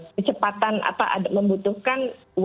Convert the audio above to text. kecepatan atau membutuhkan